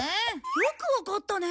よくわかったね。